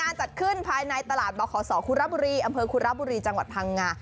ร้านจัดขึ้นภายในตลาดเบาของฮครูระบุรีอำเภอครูระบุรีจพางงา